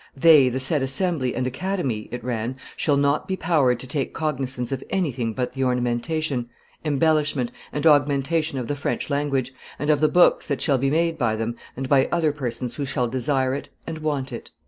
"They the said assembly and academy," it ran, "shall not be powered to take cognizance of anything but the ornamentation, embellishment, and augmentation of the French language, and of the books that shall be made by them and by other persons who shall desire it and want it."